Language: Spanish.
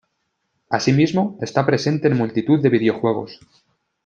Asimismo está presente en multitud de videojuegos.